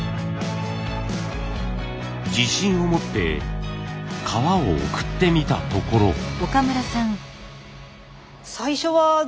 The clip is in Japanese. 自信を持って革を送ってみたところ。